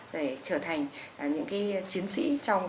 để trở thành những chiến sĩ